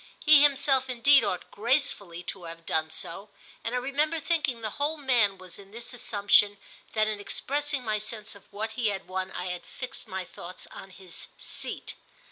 He himself indeed ought gracefully to have done so, and I remember thinking the whole man was in this assumption that in expressing my sense of what he had won I had fixed my thoughts on his "seat."